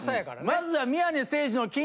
まずは。